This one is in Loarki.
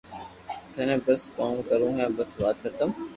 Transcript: ٿني بس ڪوم ڪرو ھي بس وات ختم